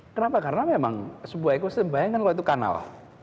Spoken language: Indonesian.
kenapa karena memang sebuah ekosistem bayangkan kalau itu kanal